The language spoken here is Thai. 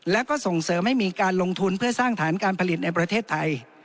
และก็ส่งเสริมให้มีการลงทุนเพื่อสร้างฐานการผลิตในประเทศไทย